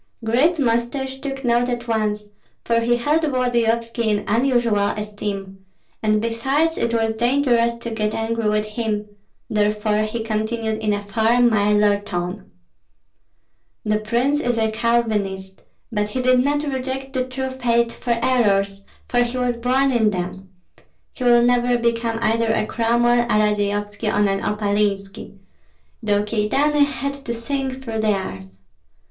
Great Mustache took note at once, for he held Volodyovski in unusual esteem, and besides it was dangerous to get angry with him; therefore he continued in a far milder tone, "The prince is a Calvinist; but he did not reject the true faith for errors, for he was born in them. He will never become either a Cromwell, a Radzeyovski, or an Opalinski, though Kyedani had to sink through the earth.